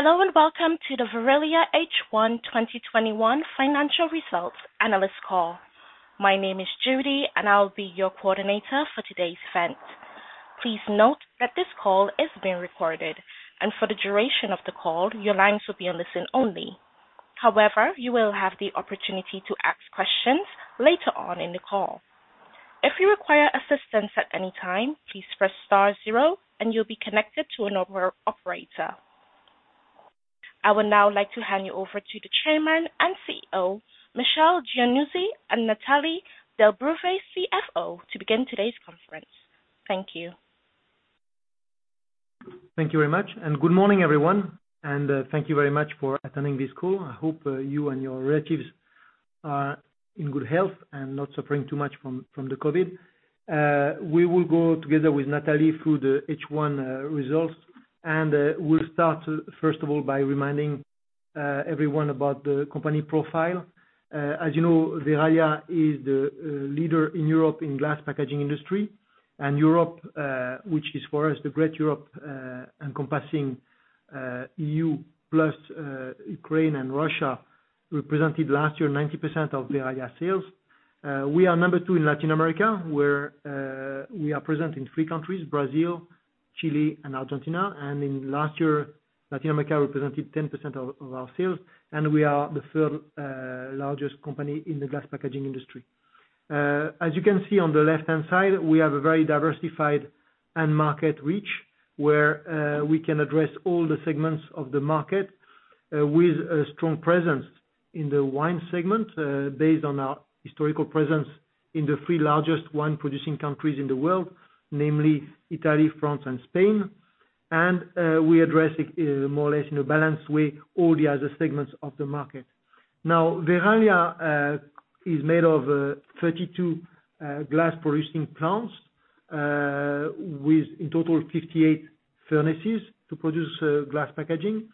Hello, welcome to the Verallia H1 2021 financial results analyst call. My name is Judy, and I'll be your coordinator for today's event. Please note that this call is being recorded, and for the duration of the call, your lines will be on listen only. However, you will have the opportunity to ask questions later on in the call. If you require assistance at any time, please press star zero and you'll be connected to an operator. I would now like to hand you over to the Chairman and CEO, Michel Giannuzzi, and Nathalie Delbreuve, CFO, to begin today's conference. Thank you. Thank you very much, and good morning, everyone. Thank you very much for attending this call. I hope you and your relatives are in good health and not suffering too much from the COVID. We will go together with Nathalie through the H1 results, and we'll start first of all by reminding everyone about the company profile. As you know, Verallia is the leader in Europe in glass packaging industry. Europe, which is for us the great Europe, encompassing EU plus Ukraine and Russia, represented last year 19% of Verallia sales. We are number two in Latin America, where we are present in three countries, Brazil, Chile, and Argentina. In last year, Latin America represented 10% of our sales. We are the third largest company in the glass packaging industry. As you can see on the left-hand side, we have a very diversified end market reach, where we can address all the segments of the market with a strong presence in the wine segment based on our historical presence in the three largest wine-producing countries in the world, namely Italy, France, and Spain. We address it more or less in a balanced way, all the other segments of the market. Now, Verallia is made of 32 glass-producing plants, with in total 58 furnaces to produce glass packaging.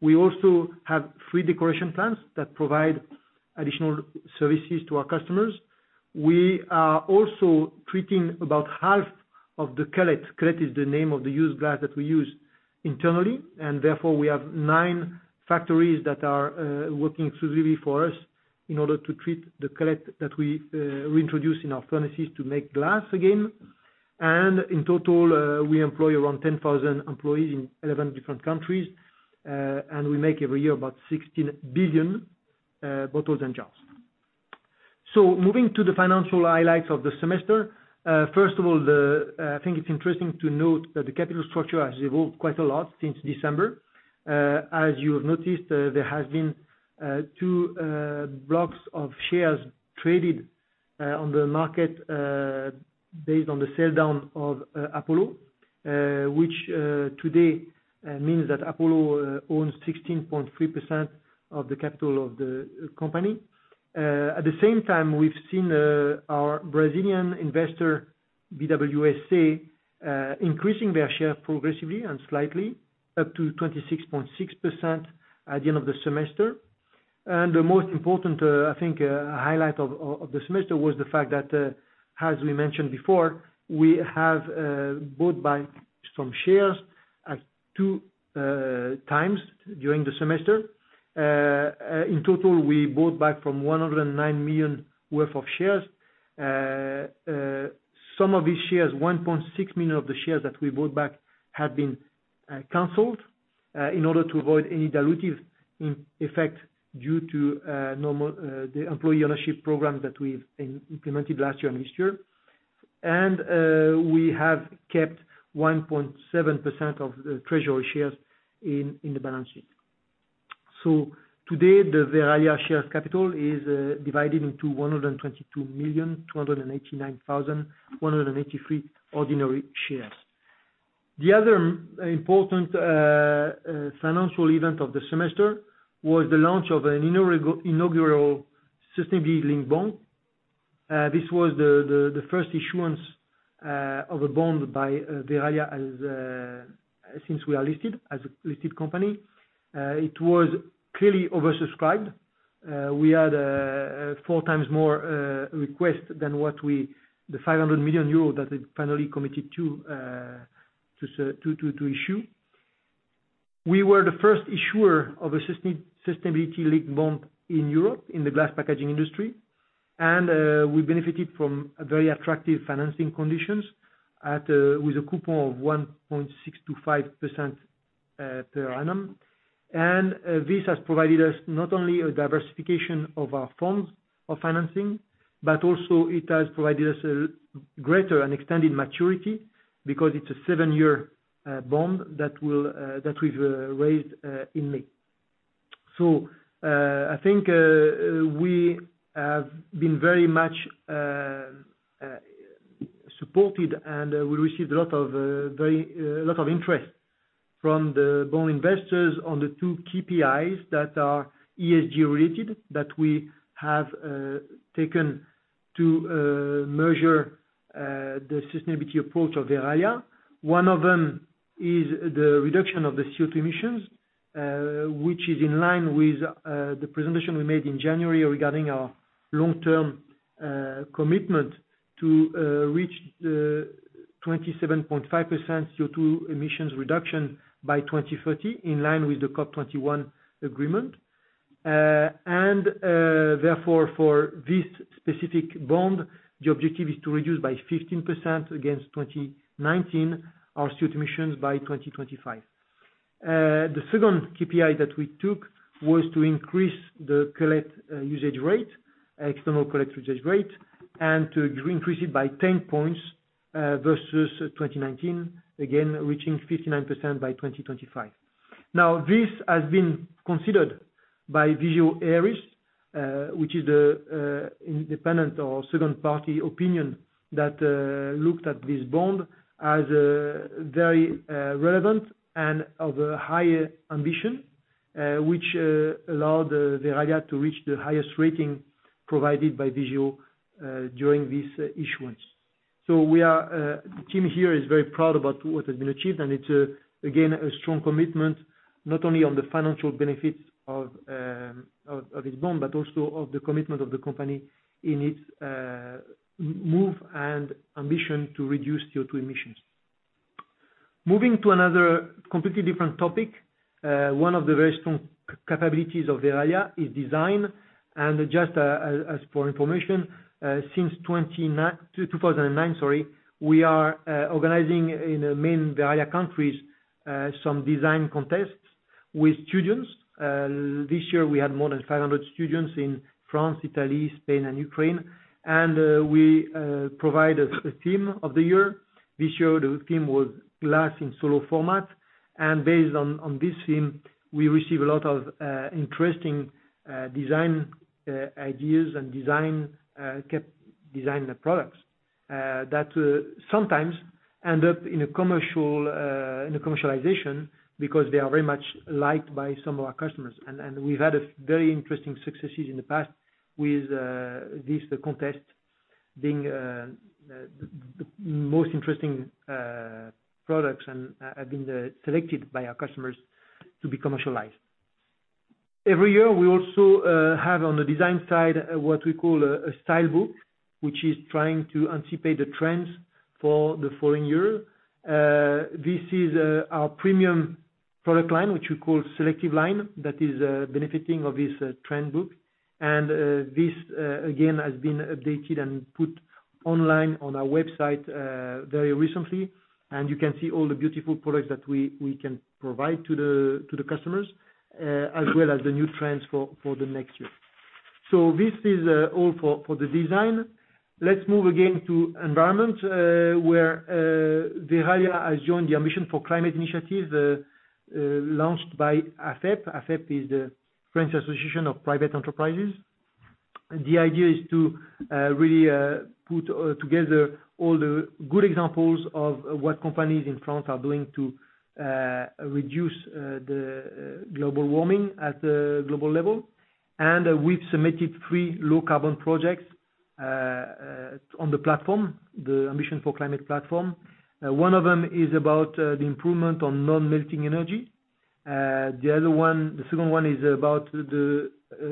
We also have three decoration plants that provide additional services to our customers. We are also treating about half of the cullet is the name of the used glass that we use internally, and therefore we have nine factories that are working exclusively for us in order to treat the cullet that we reintroduce in our furnaces to make glass again. In total, we employ around 10,000 employees in 11 different countries. We make every year about 16 billion bottles and jars. Moving to the financial highlights of the semester. First of all, I think it's interesting to note that the capital structure has evolved quite a lot since December. As you have noticed, there has been two blocks of shares traded on the market based on the sell-down of Apollo, which today means that Apollo owns 16.3% of the capital of the company. At the same time, we've seen our Brazilian investor, BWGI, increasing their share progressively and slightly up to 26.6% at the end of the semester. The most important, I think, highlight of the semester was the fact that, as we mentioned before, we have bought back some shares at two times during the semester. In total, we bought back 109 million worth of shares. Some of these shares, 1.6 million of the shares that we bought back, have been canceled in order to avoid any dilutive effect due to the employee ownership program that we've implemented last year and this year. We have kept 1.7% of the treasury shares in the balance sheet. Today, the Verallia shares capital is divided into 122,289,183 ordinary shares. The other important financial event of the semester was the launch of an inaugural sustainability-linked bond. This was the first issuance of a bond by Verallia since we are listed as a listed company. It was clearly oversubscribed. We had four times more requests than the 500 million euro that it finally committed to issue. We were the first issuer of a sustainability-linked bond in Europe in the glass packaging industry. We benefited from very attractive financing conditions with a coupon of 1.6%-5% per annum. This has provided us not only a diversification of our forms of financing, but also it has provided us a greater and extended maturity because it's a seven-year bond that we've raised in May. I think we have been very much supported, and we received a lot of interest from the bond investors on the two KPIs that are ESG related that we have taken to measure the sustainability approach of Verallia. One of them is the reduction of the CO2 emissions, which is in line with the presentation we made in January regarding our long-term commitment to reach the 27.5% CO2 emissions reduction by 2030, in line with the COP 21 agreement. Therefore, for this specific bond, the objective is to reduce by 15% against 2019 our CO2 emissions by 2025. The second KPI that we took was to increase the external cullet usage rate, and to increase it by 10 points versus 2019, again, reaching 59% by 2025. This has been considered by Vigeo Eiris, which is the independent or third-party opinion that looked at this bond as very relevant and of a higher ambition, which allowed Verallia to reach the highest rating provided by Vigeo during this issuance. The team here is very proud about what has been achieved, and it's again, a strong commitment, not only on the financial benefits of this bond, but also of the commitment of the company in its move and ambition to reduce CO2 emissions. Moving to another completely different topic, one of the very strong capabilities of Verallia is design. Just as for information, since 2009, we are organizing in the main Verallia countries some design contests with students. This year we had more than 500 students in France, Italy, Spain, and Ukraine, and we provide a theme of the year. This year the theme was glass in solo format, and based on this theme, we receive a lot of interesting design ideas and design products that sometimes end up in a commercialization because they are very much liked by some of our customers. We've had very interesting successes in the past with this contest being the most interesting products and have been selected by our customers to be commercialized. Every year, we also have on the design side what we call a style book, which is trying to anticipate the trends for the following year. This is our premium product line, which we call Selective Line, that is benefiting of this trend book. This again, has been updated and put online on our website very recently, and you can see all the beautiful products that we can provide to the customers, as well as the new trends for the next year. This is all for the design. Let's move again to environment, where Verallia has joined the Ambition 4 Climate initiative, launched by AFEP. AFEP is The French Association of Private Enterprises. The idea is to really put together all the good examples of what companies in France are doing to reduce the global warming at the global level. We've submitted three low carbon projects on the platform, the Ambition 4 Climate platform. One of them is about the improvement on non-melting energy. The second one is about the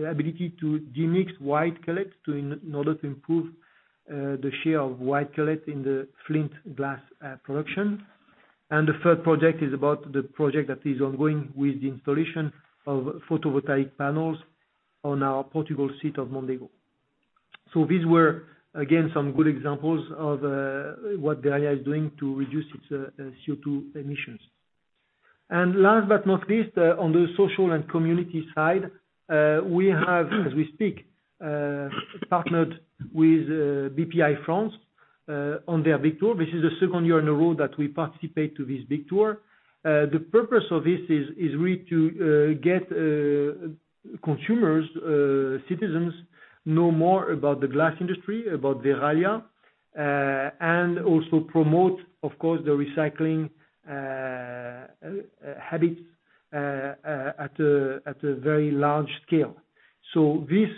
ability to demix white cullet in order to improve the share of white cullet in the flint glass production. The third project is about the project that is ongoing with the installation of photovoltaic panels on our Portugal site of Mondego. These were again, some good examples of what Verallia is doing to reduce its CO2 emissions. Last but not least, on the social and community side, we have, as we speak, partnered with Bpifrance on their Big Tour. This is the second year in a row that we participate to this Big Tour. The purpose of this is really to get consumers, citizens know more about the glass industry, about Verallia, and also promote, of course, the recycling habits at a very large scale. This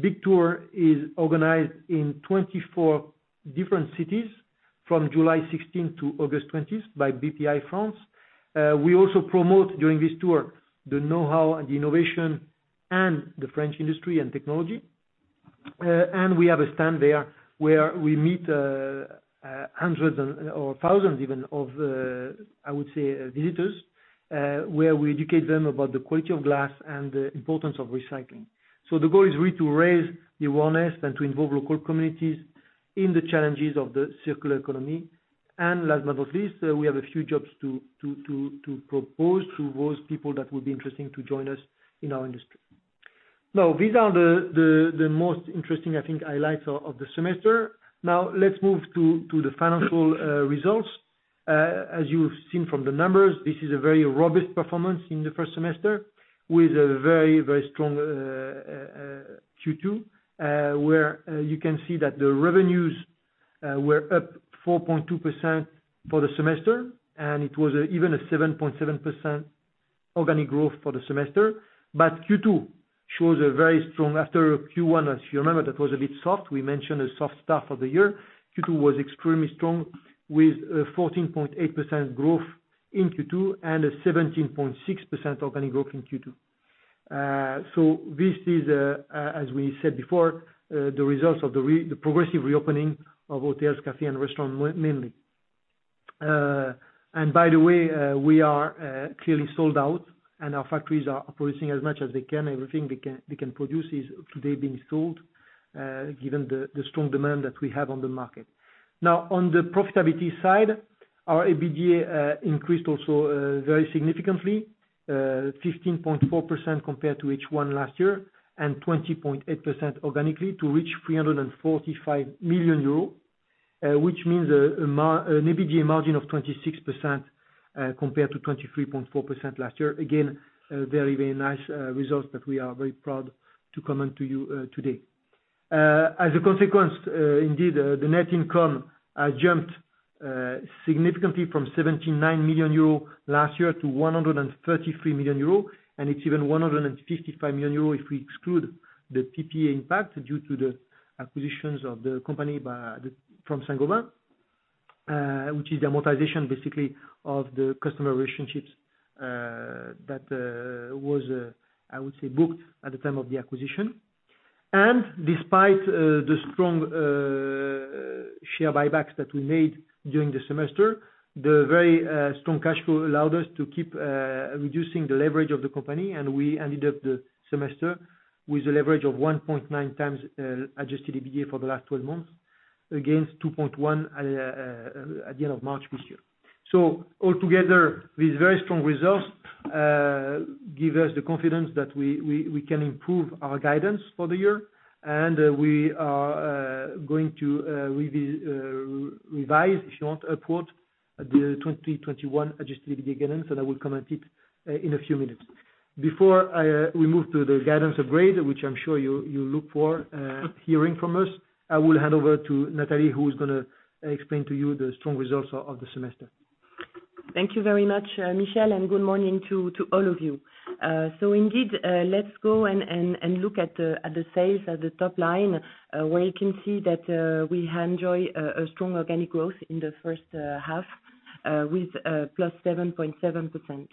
Big Tour is organized in 24 different cities from July 16th to August 20th by Bpifrance. We also promote during this tour the knowhow and the innovation and the French industry and technology. We have a stand there where we meet hundreds or thousands even of, I would say, visitors, where we educate them about the quality of glass and the importance of recycling. The goal is really to raise awareness and to involve local communities in the challenges of the circular economy. Last but not least, we have a few jobs to propose to those people that will be interesting to join us in our industry. These are the most interesting, I think, highlights of the semester. Let's move to the financial results. As you've seen from the numbers, this is a very robust performance in the first semester with a very strong Q2, where you can see that the revenues were up 4.2% for the semester. It was even a 7.7% organic growth for the semester. Q2 shows a very strong after Q1, as you remember, that was a bit soft. We mentioned a soft start for the year. Q2 was extremely strong with 14.8% growth in Q2 and a 17.6% organic growth in Q2. This is, as we said before, the results of the progressive reopening of hotels, café, and restaurants, mainly. By the way, we are clearly sold out, and our factories are producing as much as they can. Everything they can produce is today being sold, given the strong demand that we have on the market. On the profitability side, our adjusted EBITDA increased also very significantly, 15.4% compared to H1 last year, and 20.8% organically to reach 345 million euros, which means an adjusted EBITDA margin of 26% compared to 23.4% last year. Very nice results that we are very proud to comment to you today. Indeed, the net income jumped significantly from 79 million euro last year to 133 million euro, and it's even 155 million euro if we exclude the PPA impact due to the acquisitions of the company from Saint-Gobain, which is the amortization, basically, of the customer relationships that was, I would say, booked at the time of the acquisition. Despite the strong share buybacks that we made during the semester, the very strong cash flow allowed us to keep reducing the leverage of the company, and we ended up the semester with a leverage of 1.9x adjusted EBITDA for the last 12 months, against 2.1 at the end of March this year. Altogether, these very strong results give us the confidence that we can improve our guidance for the year, and we are going to revise, if you want, upward, the 2021 adjusted EBITDA guidance, and I will comment it in a few minutes. Before we move to the guidance upgrade, which I'm sure you look for hearing from us, I will hand over to Nathalie, who is going to explain to you the strong results of the semester. Thank you very much, Michel, and good morning to all of you. Indeed, let's go and look at the sales at the top line, where you can see that we enjoy a strong organic growth in the first half with +7.7%.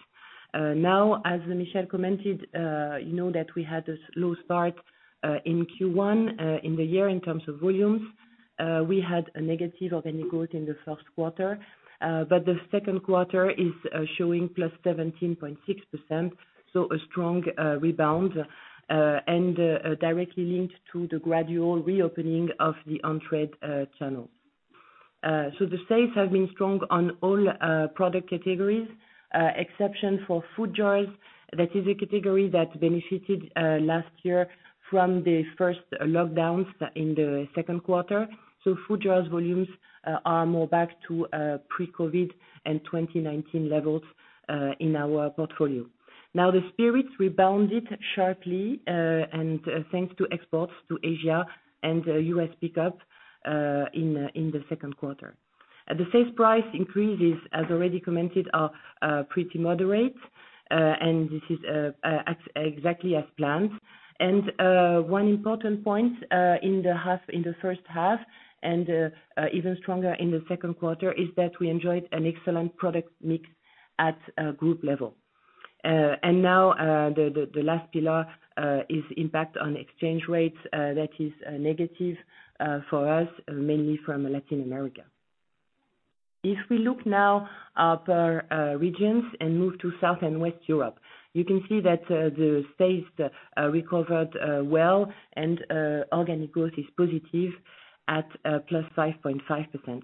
Now, as Michel commented, you know that we had a slow start in Q1 in the year in terms of volumes. We had a negative organic growth in the first quarter. The second quarter is showing +17.6%, a strong rebound, directly linked to the gradual reopening of the on-trade channel. The sales have been strong on all product categories, except for food jars. That is a category that benefited last year from the first lockdowns in the second quarter. Food jars volumes are more back to pre-COVID and 2019 levels in our portfolio. The spirits rebounded sharply, thanks to exports to Asia and U.S. pickup in the second quarter. The sales price increases, as already commented, are pretty moderate. This is exactly as planned. One important point in the first half, and even stronger in the second quarter, is that we enjoyed an excellent product mix at a group level. Now, the last pillar is impact on exchange rates. That is negative for us, mainly from Latin America. If we look now per regions and move to South and West Europe, you can see that the sales recovered well and organic growth is positive at +5.5%.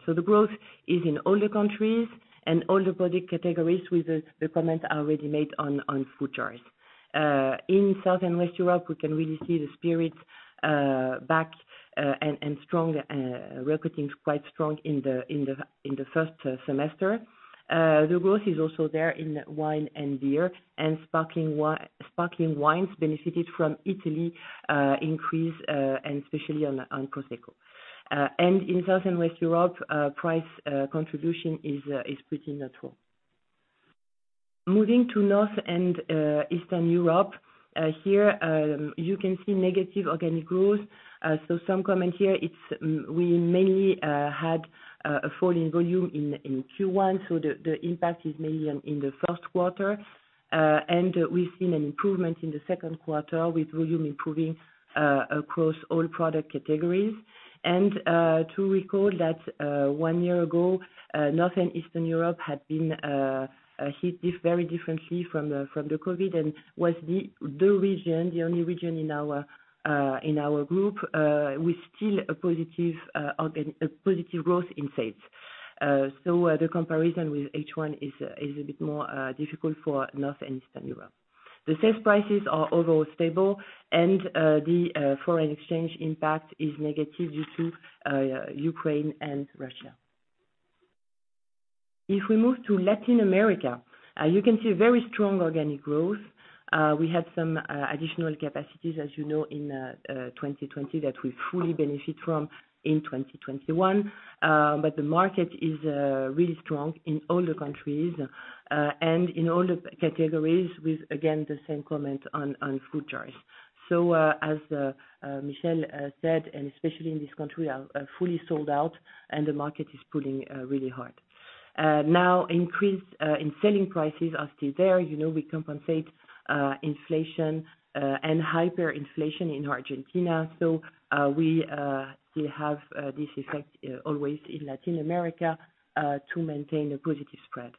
The growth is in all the countries and all the product categories with the comments I already made on food jars. In South and West Europe, we can really see the spirits back and recruiting quite strong in the first semester. The growth is also there in wine and beer, and sparkling wines benefited from Italy increase, and especially on Prosecco. In South and West Europe, price contribution is pretty natural. Moving to Northern and Eastern Europe, here you can see negative organic growth. Some comment here, we mainly had a fall in volume in Q1, so the impact is mainly in the first quarter. We've seen an improvement in the second quarter with volume improving across all product categories. To recall that one year ago, Northern and Eastern Europe had been hit very differently from the COVID and was the only region in our group with still a positive growth in sales. The comparison with H1 is a bit more difficult for Northern and Eastern Europe. The sales prices are overall stable, and the foreign exchange impact is negative due to Ukraine and Russia. If we move to Latin America, you can see very strong organic growth. We had some additional capacities, as you know, in 2020 that we fully benefit from in 2021. The market is really strong in all the countries and in all the categories with, again, the same comment on food jars. As Michel said, and especially in this country, are fully sold out and the market is pulling really hard. Now, increase in selling prices are still there. We compensate inflation and hyperinflation in Argentina. We still have this effect always in Latin America to maintain a positive spread.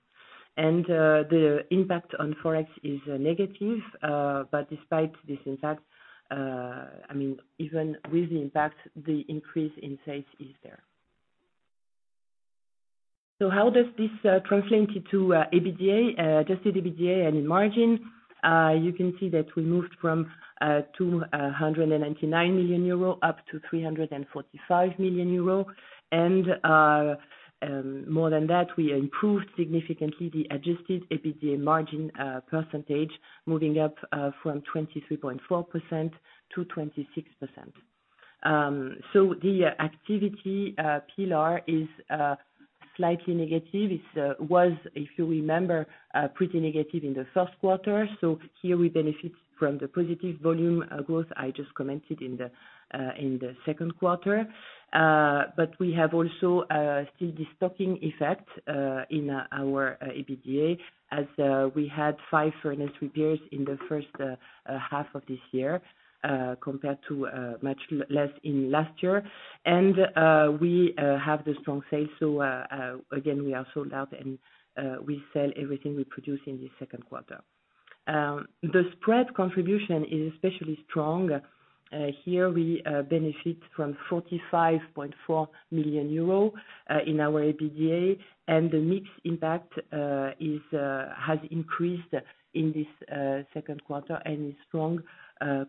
The impact on forex is negative. Despite this impact, even with the impact, the increase in sales is there. How does this translate to adjusted EBITDA and in margin? You can see that we moved from 299 million euro up to 345 million euro. More than that, we improved significantly the adjusted EBITDA margin percentage, moving up from 23.4% to 26%. The activity pillar is slightly negative. It was, if you remember, pretty negative in the first quarter. We have also still the stocking effect in our EBITDA as we had five furnace repairs in the first half of this year, compared to much less in last year. We have the strong sales. Again, we are sold out, and we sell everything we produce in the second quarter. The spread contribution is especially strong. Here, we benefit from 45.4 million euro in our EBITDA. The mix impact has increased in this second quarter and is strong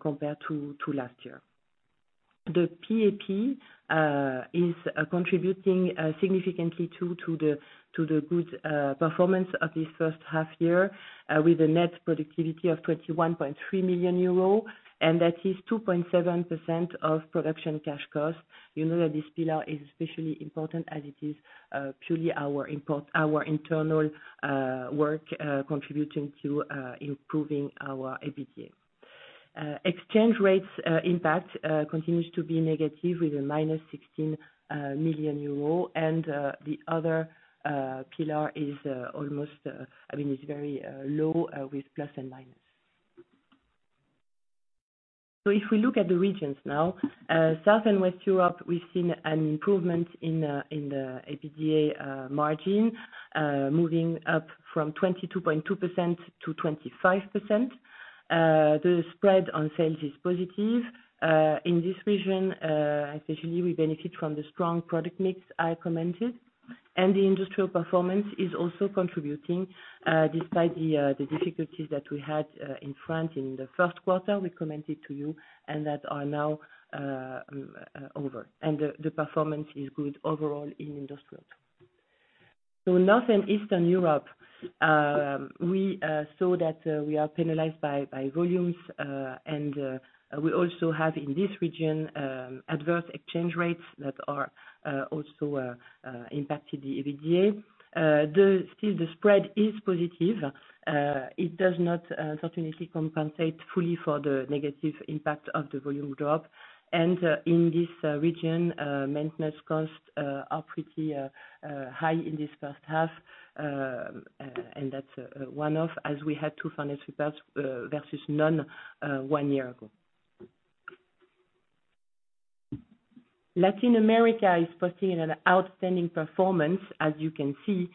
compared to last year. The PAP is contributing significantly, too, to the good performance of this first half year, with a net productivity of 21.3 million euros, and that is 2.7% of production cash cost. You know that this pillar is especially important as it is purely our internal work contributing to improving our EBITDA. Exchange rates impact continues to be negative with a minus 16 million euro, and the other pillar is very low with plus and minus. If we look at the regions now, South and West Europe, we've seen an improvement in the EBITDA margin, moving up from 22.2%-25%. The spread on sales is positive. In this region, especially, we benefit from the strong product mix I commented, and the industrial performance is also contributing, despite the difficulties that we had in France in the first quarter, we commented to you, and that are now over. The performance is good overall in industrial. Northern and Eastern Europe, we saw that we are penalized by volumes, and we also have, in this region, adverse exchange rates that are also impacted the EBITDA. Still, the spread is positive. It does not unfortunately compensate fully for the negative impact of the volume drop. In this region, maintenance costs are pretty high in this first half. That's one-off, as we had two furnace repairs versus none one year ago. Latin America is posting an outstanding performance, as you can see,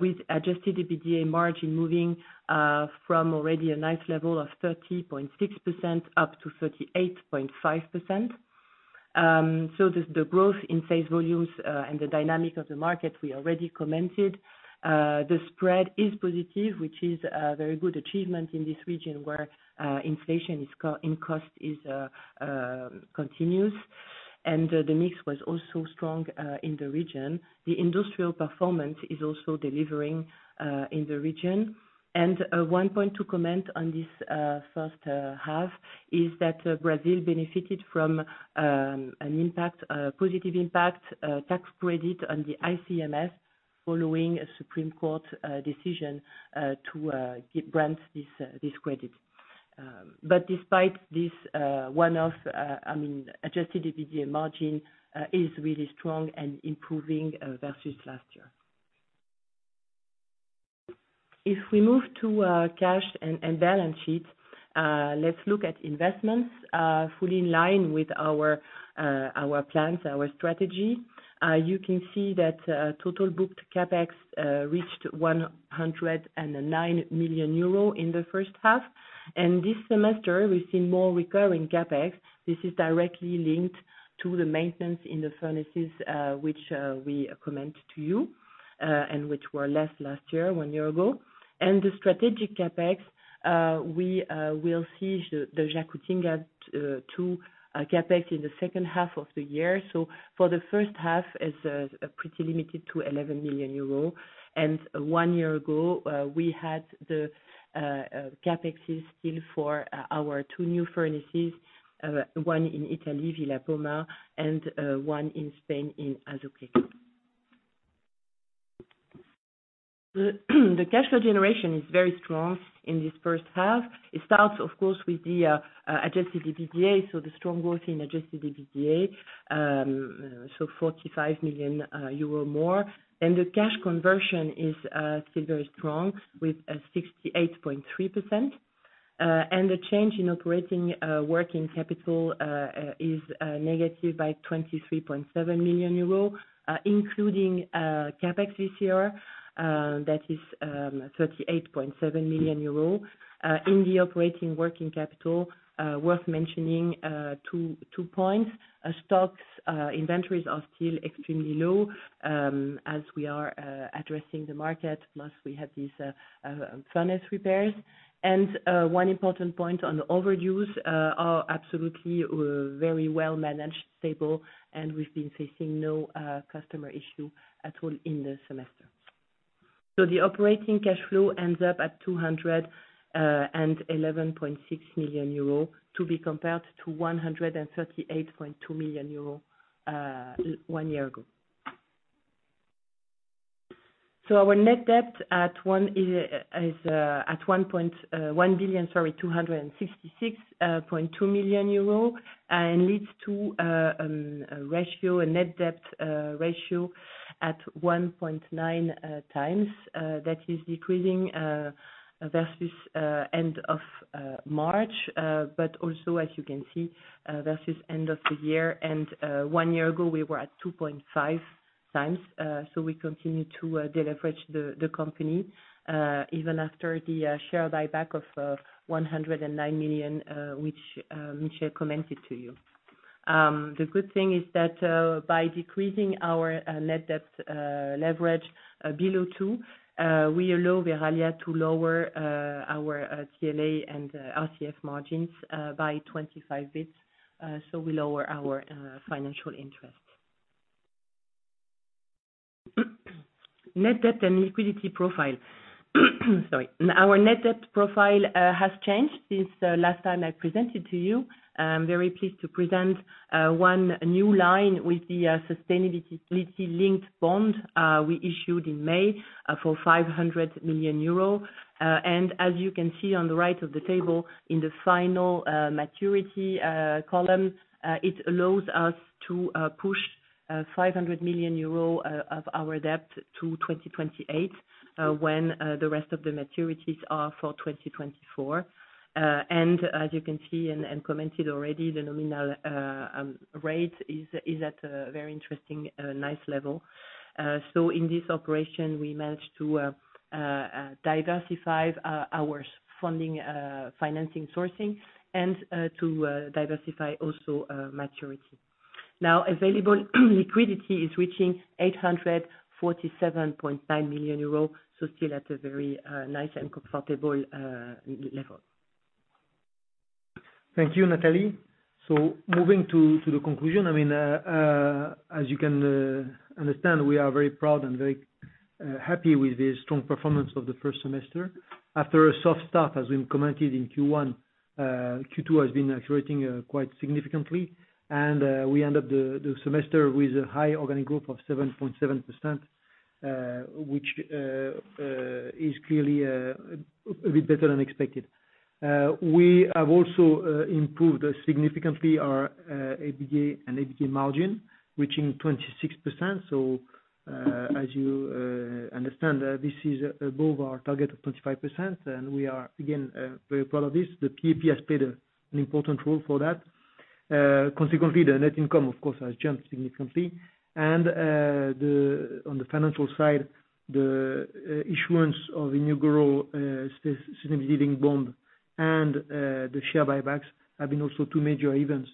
with adjusted EBITDA margin moving from already a nice level of 30.6% up to 38.5%. The growth in sales volumes and the dynamic of the market, we already commented. The spread is positive, which is a very good achievement in this region where inflation in cost continues. The mix was also strong in the region. The industrial performance is also delivering in the region. One point to comment on this first half is that Brazil benefited from a positive impact tax credit on the ICMS following a Supreme Court decision to grant this credit. Despite this one-off, adjusted EBITDA margin is really strong and improving versus last year. If we move to cash and balance sheet, let's look at investments fully in line with our plans, our strategy. You can see that total booked CapEx reached 109 million euro in the first half. This semester, we've seen more recurring CapEx. This is directly linked to the maintenance in the furnaces, which we commented to you, and which were less last year, one year ago. The strategic CapEx, we will see the Jacutinga 2 CapEx in the second half of the year. For the first half, it's pretty limited to 11 million euros. One year ago, we had the CapEx still for our two new furnaces, one in Italy, Villa Poma, and one in Spain, in Azuqueca. The cash flow generation is very strong in this first half. It starts, of course, with the adjusted EBITDA, the strong growth in adjusted EBITDA, 45 million euro more. The cash conversion is still very strong with 68.3%. The change in operating working capital is negative by 23.7 million euro, including CapEx this year, that is 38.7 million euro. In the operating working capital, worth mentioning two points. Stocks inventories are still extremely low as we are addressing the market. We have these furnace repairs. One important point on overdues are absolutely very well managed, stable, and we've been facing no customer issue at all in the semester. The operating cash flow ends up at 211.6 million euro, to be compared to 138.2 million euro one year ago. Our net debt is at 1 billion, sorry, 266.2 million euro, and leads to a net debt ratio at 1.9x. That is decreasing versus end of March, but also, as you can see, versus end of the year. One year ago, we were at 2.5x. We continue to deleverage the company, even after the share buyback of 109 million, which Michel commented to you. The good thing is that by decreasing our net debt leverage below two, we allow Verallia to lower our TLA and RCF margins by 25 bps. We lower our financial interest. Net debt and liquidity profile. Sorry. Our net debt profile has changed since the last time I presented to you. I'm very pleased to present one new line with the sustainability-linked bond we issued in May for 500 million euro. As you can see on the right of the table in the final maturity column, it allows us to push 500 million euro of our debt to 2028, when the rest of the maturities are for 2024. As you can see and commented already, the nominal rate is at a very interesting, nice level. In this operation, we managed to diversify our financing sourcing and to diversify also maturity. Available liquidity is reaching 847.9 million euros, so still at a very nice and comfortable level. Thank you, Nathalie. Moving to the conclusion. As you can understand, we are very proud and very happy with the strong performance of the first semester. After a soft start, as we commented in Q1, Q2 has been accelerating quite significantly. We end up the semester with a high organic growth of 7.7%, which is clearly a bit better than expected. We have also improved significantly our EBITDA and EBITDA margin, reaching 26%. As you understand, this is above our target of 25%, and we are again, very proud of this. The PAP has played an important role for that. Consequently, the net income, of course, has jumped significantly. On the financial side, the issuance of inaugural sustainability-linked bond and the share buybacks have been also two major events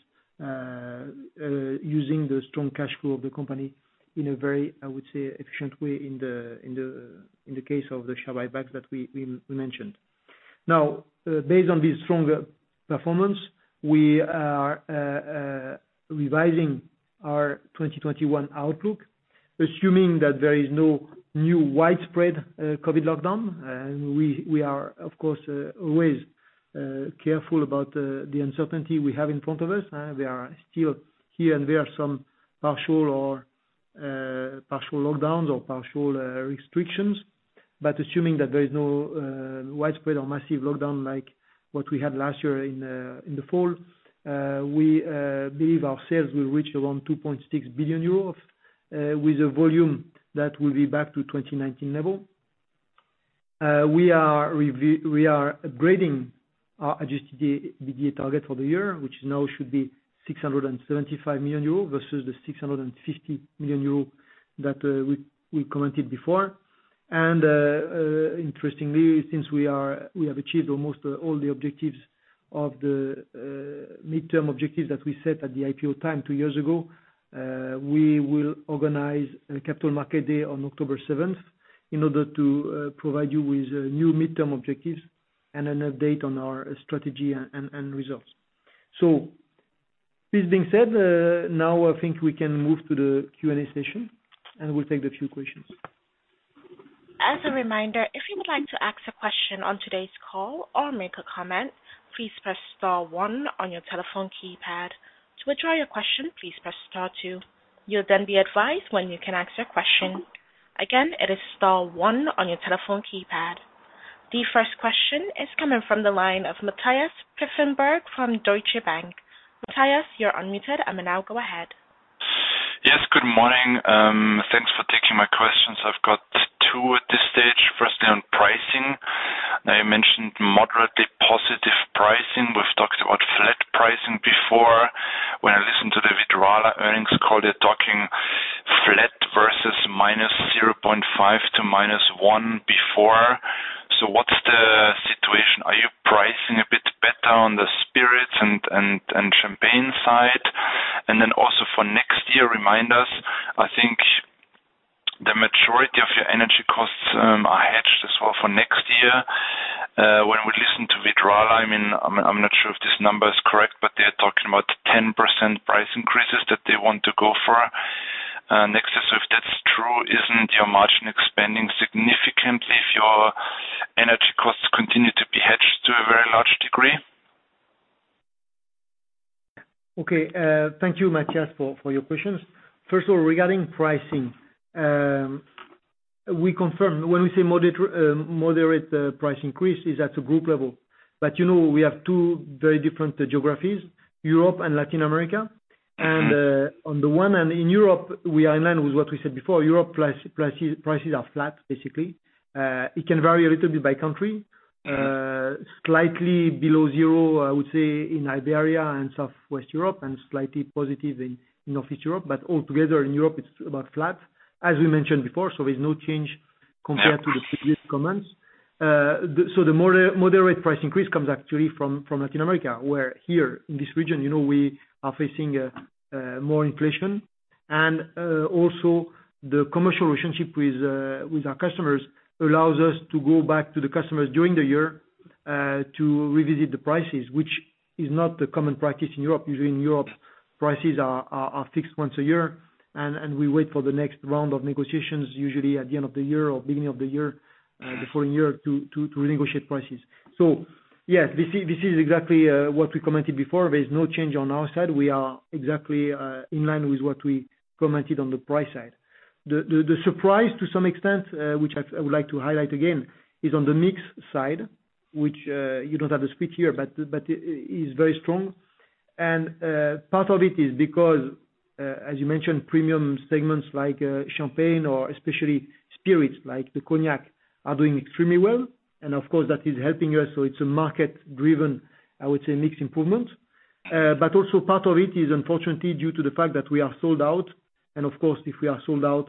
using the strong cash flow of the company in a very, I would say, efficient way in the case of the share buybacks that we mentioned. Based on this strong performance, we are revising our 2021 outlook, assuming that there is no new widespread COVID lockdown. We are, of course, always careful about the uncertainty we have in front of us. There are still here and there some partial lockdowns or partial restrictions. Assuming that there is no widespread or massive lockdown like what we had last year in the fall, we believe our sales will reach around 2.6 billion euros, with a volume that will be back to 2019 level. We are upgrading our adjusted EBITDA target for the year, which now should be €675 million, versus the €650 million that we commented before. Interestingly, since we have achieved almost all the midterm objectives that we set at the IPO time two years ago, we will organize a capital market day on October 7th in order to provide you with new midterm objectives and an update on our strategy and results. This being said, now I think we can move to the Q&A session, and we'll take a few questions. As a reminder, if you would like to ask a question on today's call or make a comment, please press star one on your telephone keypad. To withdraw your question, please press star two. You'll then be advised when you can ask your question. Again, it is star one on your telephone keypad. The first question is coming from the line of Matthias Pfeifenberger from Deutsche Bank. Matthias, you're unmuted and may now go ahead. Yes. Good morning. Thanks for taking my questions. I've got 2 at this stage. You mentioned moderately positive pricing. We've talked about flat pricing before. I listened to the Verallia earnings call, they're talking flat versus -0.5 to -1 before. What's the situation? Are you pricing a bit better on the spirits and champagne side? Also for next year, remind us, I think the majority of your energy costs are hedged as well for next year. We listened to Verallia, I'm not sure if this number is correct, but they're talking about 10% price increases that they want to go for next year. If that's true, isn't your margin expanding significantly if your energy costs continue to be hedged to a very large degree? Okay. Thank you, Matthias, for your questions. First of all, regarding pricing, we confirm when we say moderate price increase is at the group level. You know we have two very different geographies, Europe and Latin America. In Europe, we are in line with what we said before. Europe prices are flat, basically. It can vary a little bit by country, slightly below zero, I would say, in Iberia and Southwest Europe, and slightly positive in Northeast Europe. Altogether in Europe, it's about flat, as we mentioned before. There's no change compared to the previous comments. The moderate price increase comes actually from Latin America, where here in this region we are facing more inflation. Also, the commercial relationship with our customers allows us to go back to the customers during the year to revisit the prices, which is not the common practice in Europe. Usually, in Europe, prices are fixed once a year, and we wait for the next round of negotiations, usually at the end of the year or beginning of the year, the following year, to renegotiate prices. Yes, this is exactly what we commented before. There's no change on our side. We are exactly in line with what we commented on the price side. The surprise to some extent, which I would like to highlight again, is on the mix side, which you don't have the split here, but it's very strong. Part of it is because, as you mentioned, premium segments like champagne or especially spirits like the cognac are doing extremely well. Of course, that is helping us. It's a market-driven, I would say, mix improvement. Also part of it is unfortunately due to the fact that we are sold out. Of course, if we are sold out,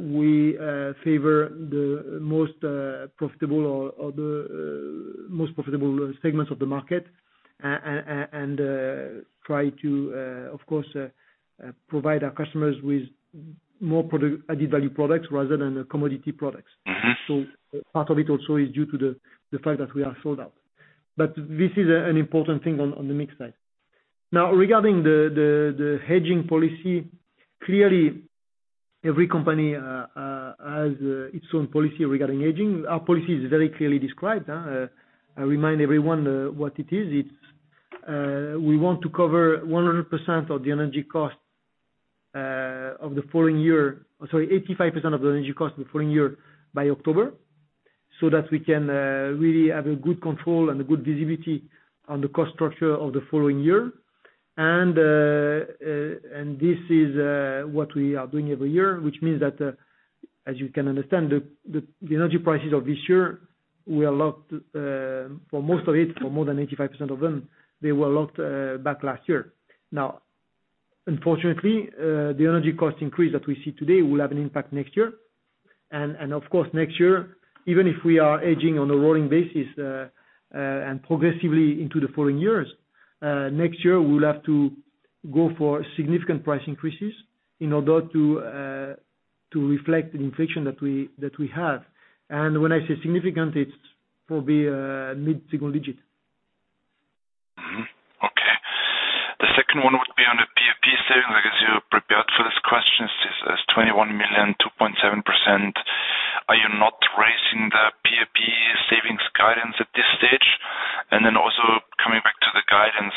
we favor the most profitable segments of the market and try to, of course, provide our customers with more added-value products rather than commodity products. Part of it also is due to the fact that we are sold out. This is an important thing on the mix side. Now, regarding the hedging policy, clearly every company has its own policy regarding hedging. Our policy is very clearly described. I remind everyone what it is. We want to cover 100% of the energy cost of the following year, sorry, 85% of the energy cost of the following year by October, so that we can really have a good control and a good visibility on the cost structure of the following year. This is what we are doing every year, which means that, as you can understand, the energy prices of this year were locked for most of it, for more than 85% of them, they were locked back last year. Unfortunately, the energy cost increase that we see today will have an impact next year. Of course, next year, even if we are hedging on a rolling basis and progressively into the following years, next year, we will have to go for significant price increases in order to reflect the inflation that we have. When I say significant, it's probably mid-single digit. Okay. The second one would be on the PAP savings. I guess you prepared for this question. It's 21 million, 2.7%. Are you not raising the PAP savings guidance at this stage? Also coming back to the guidance,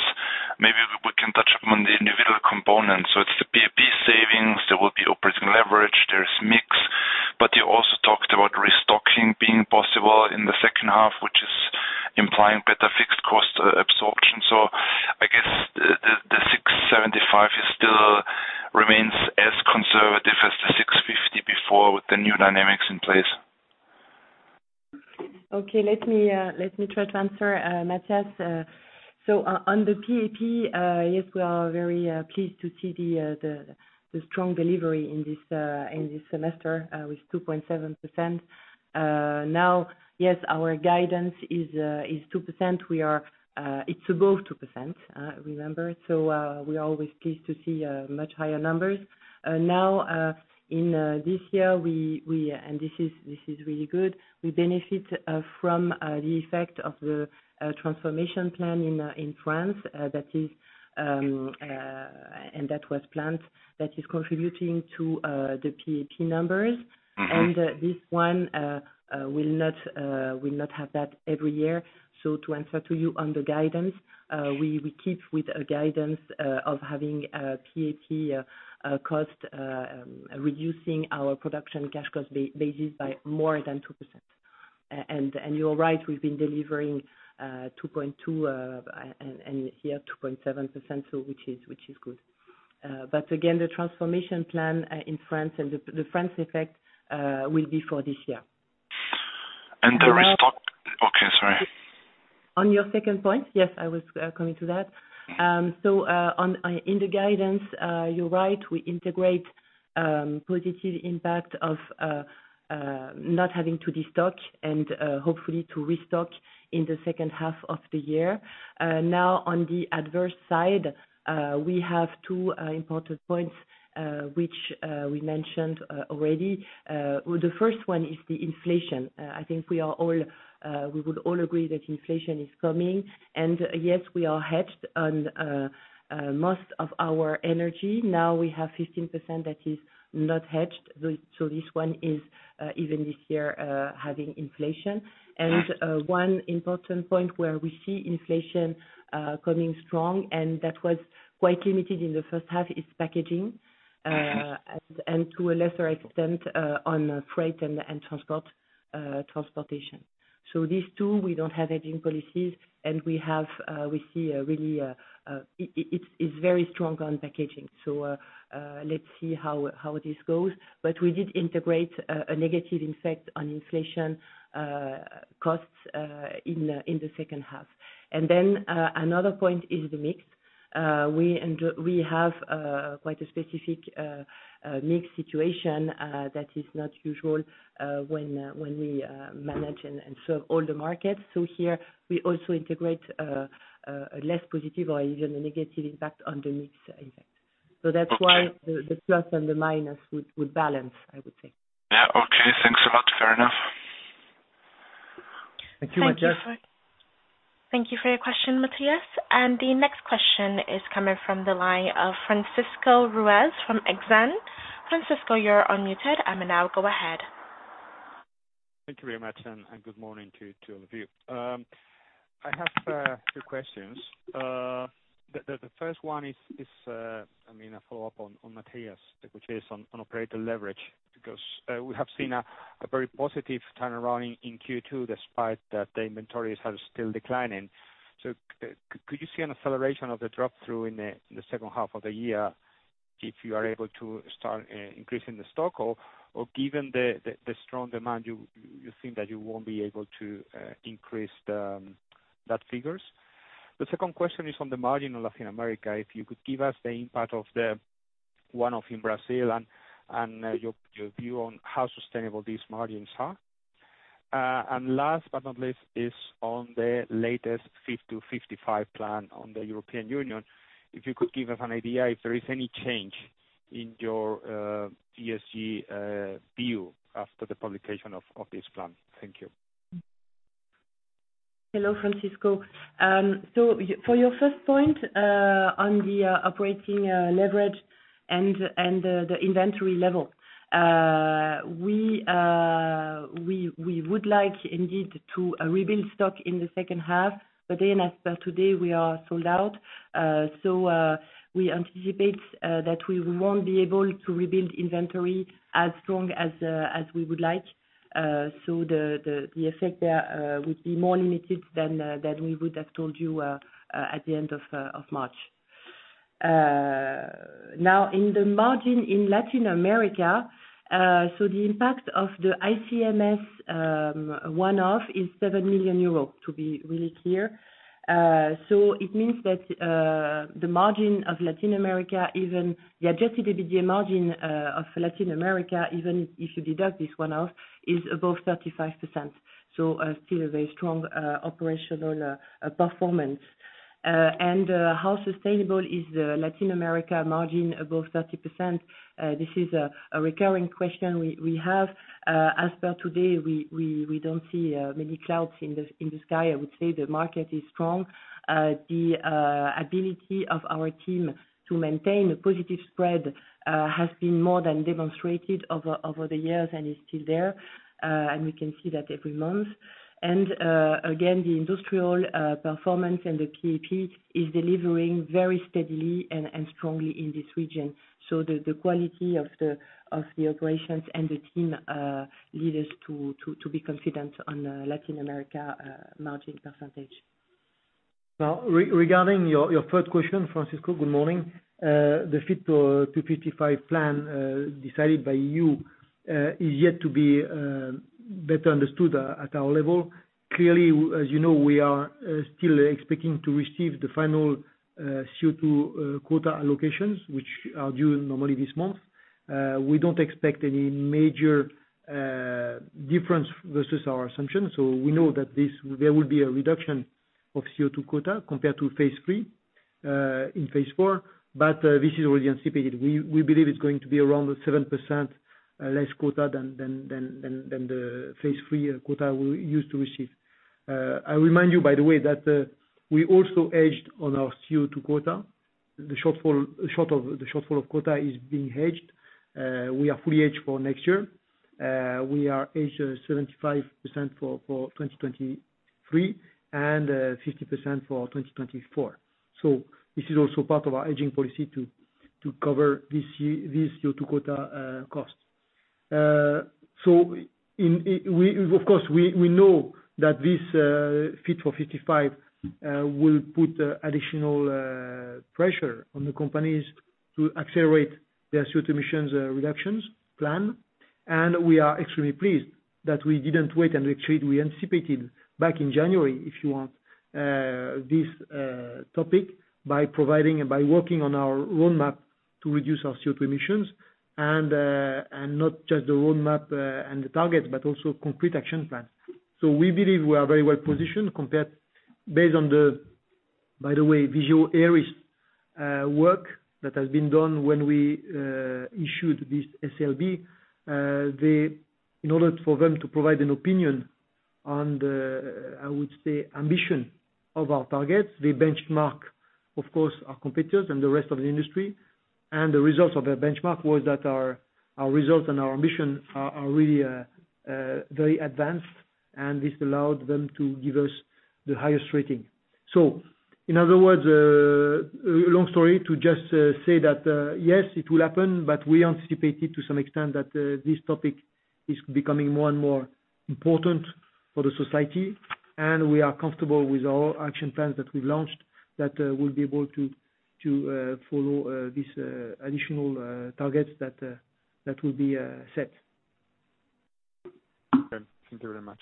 maybe we can touch upon the individual components. It's the PAP savings. There will be operating leverage. There's mix, you also talked about restocking being possible in the second half, which is implying better fixed cost absorption. I guess the 675 million still remains as conservative as the 650 million before with the new dynamics in place. Okay. Let me try to answer, Matthias. On the PAP, yes, we are very pleased to see the strong delivery in this semester with 2.7%. Yes, our guidance is 2%. It's above 2%, remember. We're always pleased to see much higher numbers. In this year, and this is really good, we benefit from the effect of the transformation plan in France, and that was planned, that is contributing to the PAP numbers. This one will not have that every year. To answer to you on the guidance, we keep with a guidance of having PAP cost reducing our production cash cost basis by more than 2%. You are right, we've been delivering 2.2%, and here 2.7%, which is good. Again, the transformation plan in France and the France effect will be for this year. Okay, sorry. On your second point, yes, I was coming to that. In the guidance, you're right, we integrate positive impact of not having to destock and hopefully to restock in the second half of the year. Now on the adverse side, we have two important points, which we mentioned already. The first one is the inflation. I think we would all agree that inflation is coming, and yes, we are hedged on most of our energy. Now we have 15% that is not hedged. This one is, even this year, having inflation. One important point where we see inflation coming strong, and that was quite limited in the first half, is packaging, and to a lesser extent, on freight and transportation. These two, we don't have hedging policies and it's very strong on packaging. Let's see how this goes. We did integrate a negative effect on inflation costs in the second half. Another point is the mix. We have quite a specific mix situation that is not usual when we manage and serve all the markets. Here, we also integrate a less positive or even a negative impact on the mix effect. Okay. That's why the plus and the minus would balance, I would say. Yeah. Okay. Thanks a lot. Fair enough. Thank you, Matthias. Thank you for your question, Matthias. The next question is coming from the line of Francisco Ruiz from Exane. Francisco, you're unmuted and now go ahead. Thank you very much, good morning to all of you. I have two questions. The first one is a follow-up on Matthias, which is on operator leverage, because we have seen a very positive turnaround in Q2, despite that the inventories are still declining. Could you see an acceleration of the drop through in the second half of the year if you are able to start increasing the stock? Given the strong demand, you think that you won't be able to increase that figures? The second question is on the margin of Latin America. If you could give us the impact of the one-off in Brazil and your view on how sustainable these margins are. Last but not least, is on the latest Fit for 55 plan on the European Union. If you could give us an idea if there is any change in your ESG view after the publication of this plan. Thank you. Hello, Francisco. For your first point, on the operating leverage and the inventory level. We would like indeed to rebuild stock in the second half. As per today, we are sold out. We anticipate that we won't be able to rebuild inventory as strong as we would like. The effect there would be more limited than we would have told you at the end of March. Now, in the margin in Latin America, the impact of the ICMS one-off is 7 million euros, to be really clear. It means that the margin of Latin America, even the adjusted EBITDA margin of Latin America, even if you deduct this one-off, is above 35%. Still a very strong operational performance. How sustainable is Latin America margin above 30%? This is a recurring question we have. As per today, we don't see many clouds in the sky. I would say the market is strong. The ability of our team to maintain a positive spread has been more than demonstrated over the years, and is still there. We can see that every month. Again, the industrial performance and the PAP is delivering very steadily and strongly in this region. The quality of the operations and the team lead us to be confident on Latin America margin percentage. Regarding your third question, Francisco, good morning. The Fit for 55 plan, decided by EU, is yet to be better understood at our level. As you know, we are still expecting to receive the final CO2 quota allocations, which are due normally this month. We don't expect any major difference versus our assumption. We know that there will be a reduction of CO2 quota compared to phase III, in phase IV, this is already anticipated. We believe it's going to be around 7% less quota than the phase III quota we used to receive. I remind you, by the way, that we also hedged on our CO2 quota. The shortfall of quota is being hedged. We are fully hedged for next year. We are hedged 75% for 2023 and 50% for 2024. This is also part of our hedging policy To cover this year's CO2 quota cost. Of course, we know that this Fit for 55 will put additional pressure on the companies to accelerate their CO2 emissions reductions plan. We are extremely pleased that we didn't wait and retreat. We anticipated back in January, if you want, this topic by providing and by working on our roadmap to reduce our CO2 emissions and not just the roadmap and the target, but also complete action plan. We believe we are very well-positioned based on the, by the way, Vigeo Eiris work that has been done when we issued this SLB. In order for them to provide an opinion on the, I would say, ambition of our targets, they benchmark, of course, our competitors and the rest of the industry. The results of their benchmark was that our results and our ambition are really very advanced, and this allowed them to give us the highest rating. In other words, long story to just say that yes, it will happen, but we anticipated to some extent that this topic is becoming more and more important for the society, and we are comfortable with our action plans that we’ve launched that we’ll be able to follow these additional targets that will be set. Okay. Thank you very much.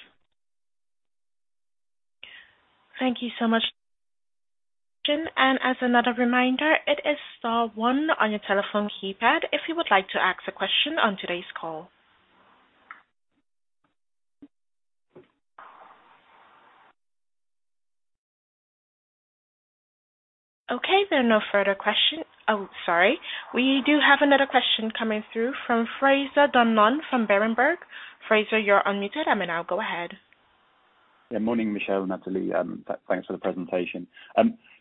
Thank you so much. As another reminder, it is star one on your telephone keypad if you would like to ask a question on today's call. Okay, there are no further questions. Sorry. We do have another question coming through from Fraser Donlon from Berenberg. Fraser, you're unmuted. Now go ahead. Morning, Michel, Nathalie. Thanks for the presentation.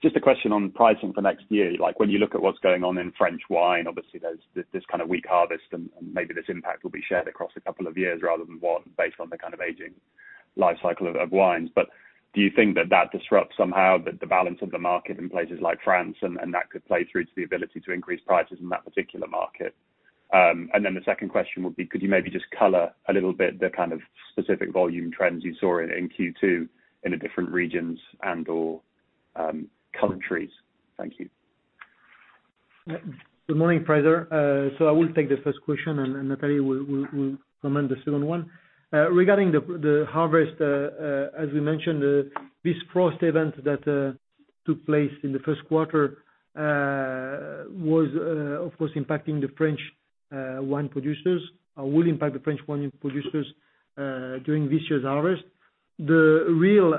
Just a question on pricing for next year. When you look at what's going on in French wine, obviously, there's this kind of weak harvest and maybe this impact will be shared across a couple of years rather than one based on the kind of aging life cycle of wines. Do you think that that disrupts somehow the balance of the market in places like France and that could play through to the ability to increase prices in that particular market? The second question would be, could you maybe just color a little bit the kind of specific volume trends you saw in Q2 in the different regions and/or countries? Thank you. Good morning, Fraser. I will take the first question and Nathalie will comment the second one. Regarding the harvest, as we mentioned, this frost event that took place in the first quarter was of course impacting the French wine producers, or will impact the French wine producers during this year's harvest. The real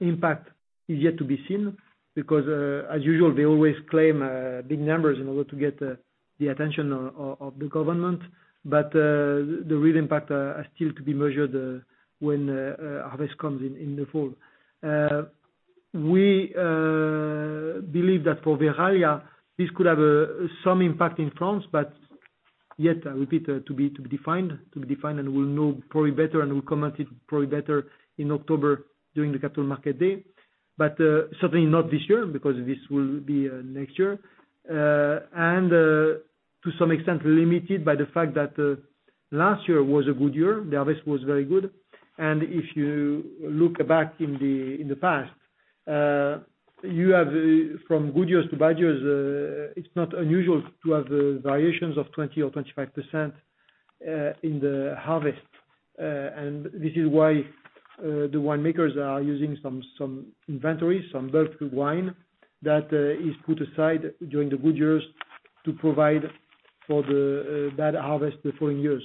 impact is yet to be seen because, as usual, they always claim big numbers in order to get the attention of the government. The real impact are still to be measured when harvest comes in the fall. We believe that for Verallia, this could have some impact in France, but yet, I repeat, to be defined and we'll know probably better and we'll comment it probably better in October during the Capital Market Day. Certainly not this year because this will be next year. To some extent, limited by the fact that last year was a good year, the harvest was very good. If you look back in the past, from good years to bad years, it is not unusual to have variations of 20 or 25% in the harvest. This is why the winemakers are using some inventory, some bulk wine that is put aside during the good years to provide for the bad harvest the following years.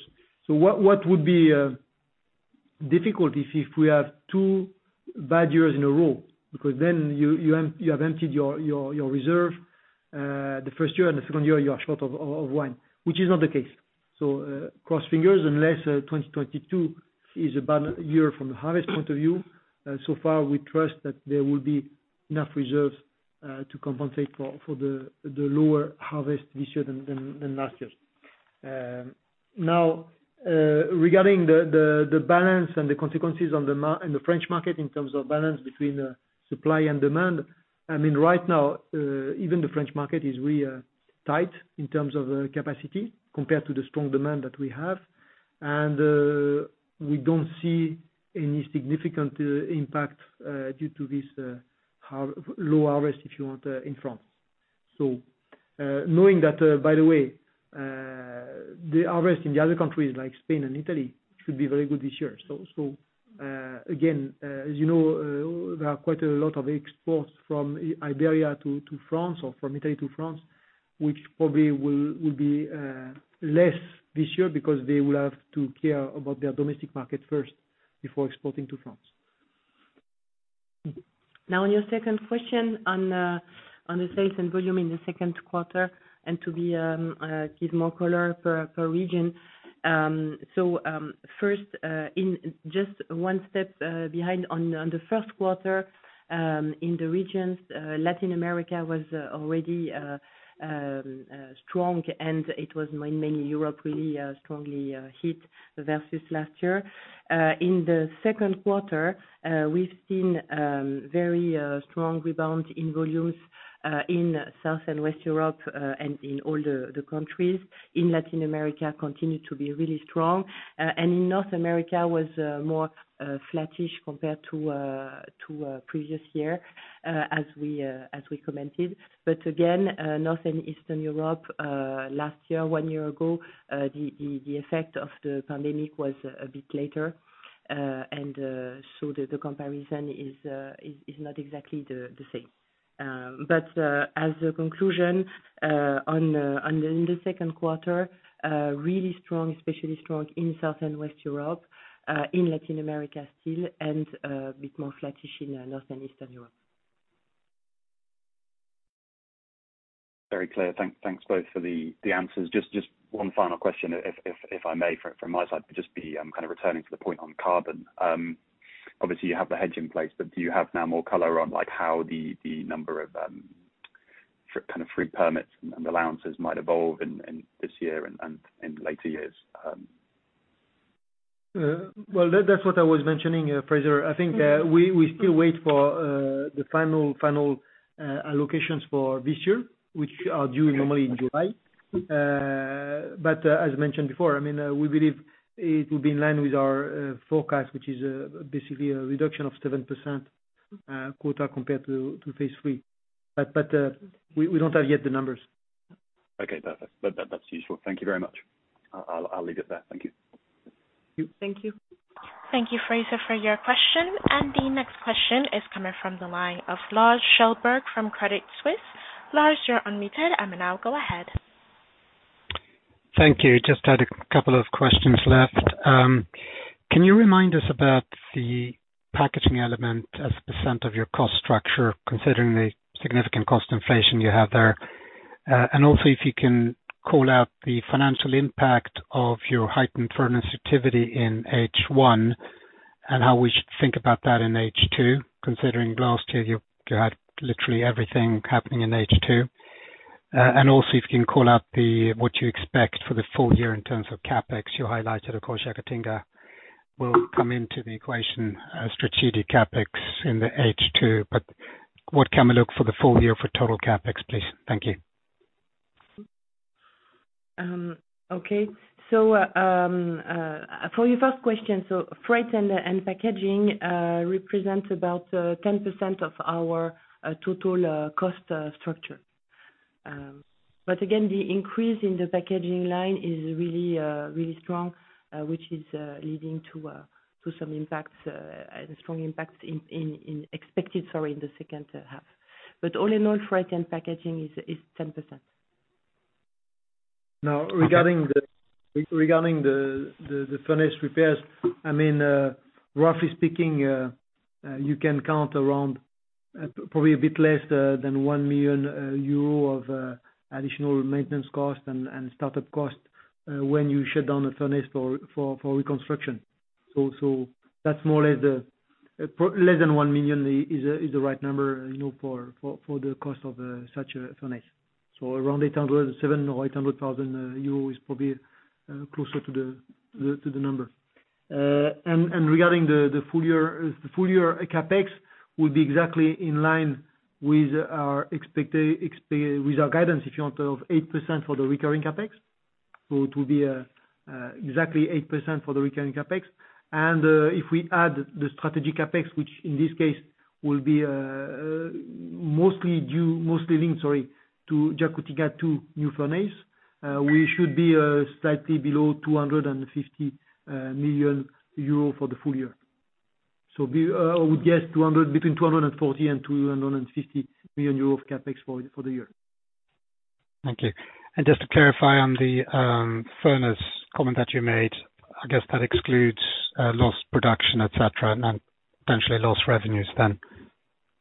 What would be difficult is if we have two bad years in a row, because then you have emptied your reserve the first year and the second year you are short of wine, which is not the case. Cross fingers unless 2022 is a bad year from the harvest point of view. So far, we trust that there will be enough reserves to compensate for the lower harvest this year than last year. Regarding the balance and the consequences in the French market in terms of balance between supply and demand, right now even the French market is really tight in terms of capacity compared to the strong demand that we have. We don't see any significant impact due to this low harvest, if you want, in France. Knowing that, by the way, the harvest in the other countries like Spain and Italy should be very good this year. Again, as you know, there are quite a lot of exports from Iberia to France or from Italy to France, which probably will be less this year because they will have to care about their domestic market first before exporting to France. On your second question on the sales and volume in the second quarter and to give more color per region. First, in just one step behind on the first quarter, in the regions, Latin America was already strong and it was mainly Europe really strongly hit versus last year. In the second quarter, we've seen very strong rebound in volumes in South and West Europe and in all the countries. In Latin America continued to be really strong. In North America was more flattish compared to previous year as we commented. Again, North and Eastern Europe. Last year, one year ago, the effect of the pandemic was a bit later. The comparison is not exactly the same. As a conclusion, in the second quarter, really strong, especially strong in South and West Europe, in Latin America still, and a bit more flattish in Northern and Eastern Europe. Very clear. Thanks both for the answers. Just one final question, if I may, from my side, but just be kind of returning to the point on carbon. Obviously, you have the hedge in place, but do you have now more color on how the number of free permits and allowances might evolve in this year and in later years? Well, that's what I was mentioning, Fraser. I think we still wait for the final allocations for this year, which are due normally in July. As mentioned before, we believe it will be in line with our forecast, which is basically a reduction of 7% quota compared to phase III. We don't have yet the numbers. Okay, perfect. That's useful. Thank you very much. I'll leave it there. Thank you. Thank you. Thank you, Fraser, for your question. The next question is coming from the line of Lars Kjellberg from Credit Suisse. Lars, you're unmuted and now go ahead. Thank you. Just had a couple of questions left. Can you remind us about the packaging element as a percentage of your cost structure, considering the significant cost inflation you have there? If you can call out the financial impact of your heightened furnace activity in H1, and how we should think about that in H2, considering last year you had literally everything happening in H2. If you can call out what you expect for the full year in terms of CapEx. You highlighted, of course, Jacutinga will come into the equation as strategic CapEx in the H2. What can we look for the full year for total CapEx, please? Thank you. For your first question, freight and packaging represent about 10% of our total cost structure. Again, the increase in the packaging line is really strong, which is leading to some impacts and strong impacts expected, sorry, in the second half. All in all, freight and packaging is 10%. Regarding the furnace repairs, roughly speaking, you can count around probably a bit less than 1 million euro of additional maintenance cost and startup cost when you shut down a furnace for reconstruction. Less than 1 million is the right number for the cost of such a furnace. Around 800,000, 700,000 or 800,000 euro is probably closer to the number. Regarding the full year, CapEx will be exactly in line with our guidance, if you want, of 8% for the recurring CapEx. It will be exactly 8% for the recurring CapEx. If we add the strategic CapEx, which in this case will be mostly linked to Jacutinga two new furnace, we should be slightly below 250 million euro for the full year. I would guess between 240 million and 250 million euro of CapEx for the year. Thank you. Just to clarify on the furnace comment that you made, I guess that excludes lost production, et cetera, and potentially lost revenues then,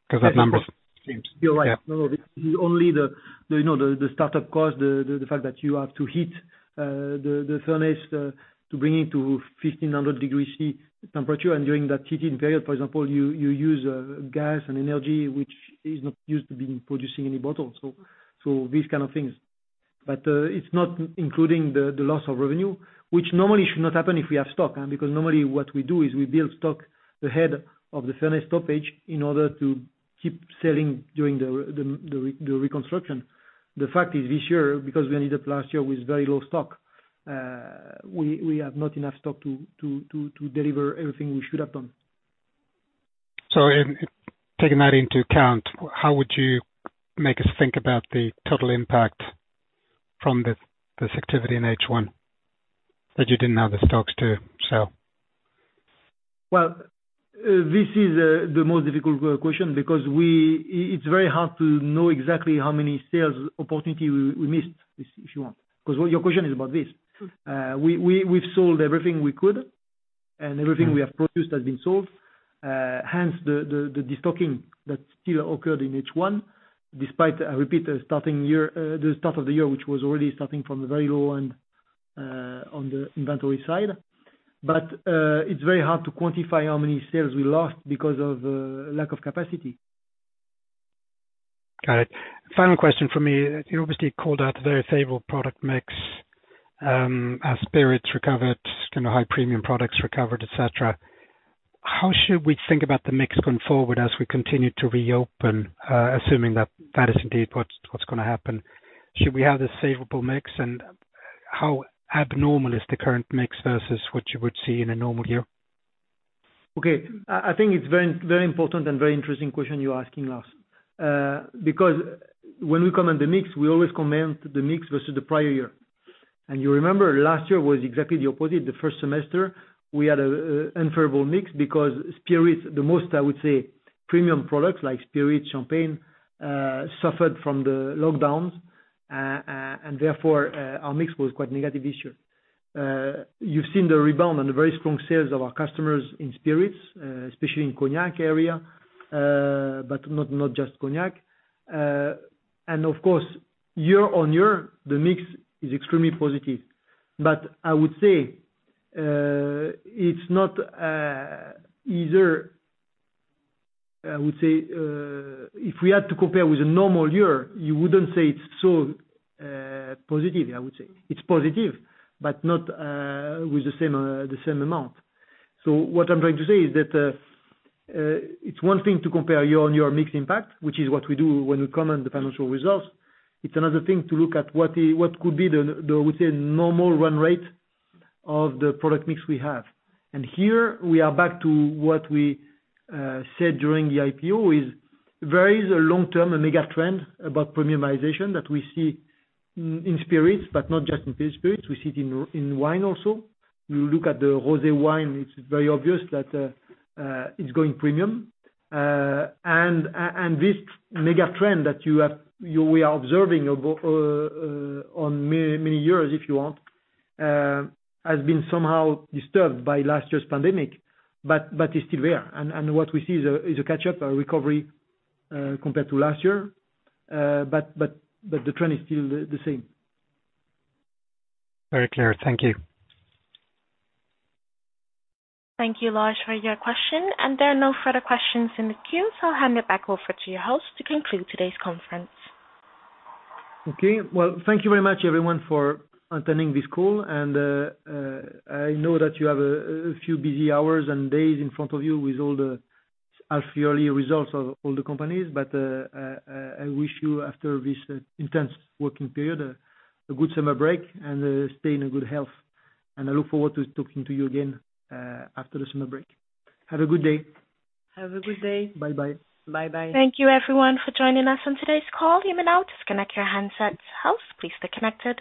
because that number seems. You're right. This is only the startup cost, the fact that you have to heat the furnace to bring it to 1,500 degrees Celsius temperature. During that heating period, for example, you use gas and energy, which is not used in producing any bottles. These kind of things. It's not including the loss of revenue, which normally should not happen if we have stock. Normally what we do is we build stock ahead of the furnace stoppage in order to keep selling during the reconstruction. The fact is, this year, because we ended up last year with very low stock, we have not enough stock to deliver everything we should have done. Taking that into account, how would you make us think about the total impact from this activity in H1, that you didn't have the stocks to sell? Well, this is the most difficult question because it's very hard to know exactly how many sales opportunity we missed, if you want. Your question is about this. We've sold everything we could, and everything we have produced has been sold. Hence, the de-stocking that still occurred in H1, despite, I repeat, the start of the year, which was already starting from the very low end on the inventory side. It's very hard to quantify how many sales we lost because of lack of capacity. Got it. Final question from me. You obviously called out very favorable product mix as spirits recovered, high premium products recovered, et cetera. How should we think about the mix going forward as we continue to reopen, assuming that that is indeed what's going to happen? Should we have the favorable mix, and how abnormal is the current mix versus what you would see in a normal year? Okay. I think it's very important and very interesting question you're asking, Lars. Because when we comment the mix, we always comment the mix versus the prior year. You remember last year was exactly the opposite. The first semester, we had an unfavorable mix because spirits, the most, I would say, premium products like spirits, champagne, suffered from the lockdowns, and therefore, our mix was quite negative this year. You've seen the rebound and the very strong sales of our customers in spirits, especially in cognac area, but not just cognac. Of course, year-on-year, the mix is extremely positive. I would say, if we had to compare with a normal year, you wouldn't say it's so positive, I would say. It's positive, but not with the same amount. What I am trying to say is that it is one thing to compare year-over-year mix impact, which is what we do when we comment the financial results. It is another thing to look at what could be the, I would say, normal run rate of the product mix we have. Here we are back to what we said during the IPO is there is a long-term mega trend about premiumization that we see in spirits, but not just in spirits. We see it in wine also. You look at the rosé wine, it is very obvious that it is going premium. This mega trend that we are observing on many years, if you want, has been somehow disturbed by last year’s pandemic, but is still there. What we see is a catch-up or recovery, compared to last year. The trend is still the same. Very clear. Thank you. Thank you, Lars, for your question. There are no further questions in the queue. I'll hand it back over to your host to conclude today's conference. Okay. Well, thank you very much, everyone, for attending this call. I know that you have a few busy hours and days in front of you with all the half-yearly results of all the companies. I wish you after this intense working period, a good summer break and stay in a good health. I look forward to talking to you again after the summer break. Have a good day. Have a good day. Bye-bye. Bye-bye. Thank you everyone for joining us on today's call. You may now disconnect your handsets. Host, please stay connected.